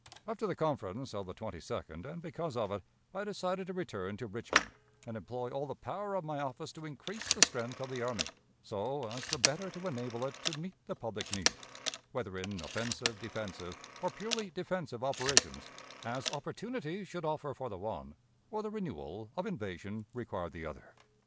After the conference of the 22d, and because of it, I decided to return to Richmond and employ all the power of my office to increase the strength of the army, so as the better to enable it to meet the public need, whether in offensive defensive or purely defensive operations, as opportunity should offer for the one, or the renewal of invasion require the other.